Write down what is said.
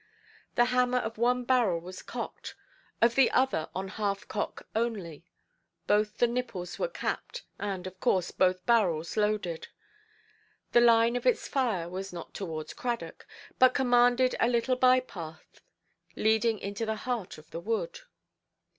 The hammer of one barrel was cocked, of the other on half–cock only; both the nipples were capped, and, of course, both barrels loaded. The line of its fire was not towards Cradock, but commanded a little by–path leading into the heart of the wood.